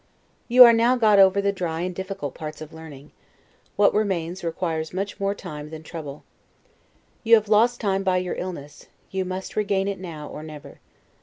You are now got over the dry and difficult parts of learning; what remains requires much more time than trouble. You have lost time by your illness; you must regain it now or never.